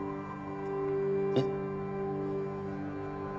えっ？